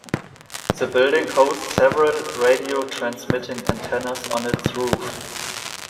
The building hosts several radio transmitting antennas on its roof.